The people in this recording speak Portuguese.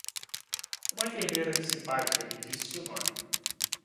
Uma enfermeira simpática me disse seu nome.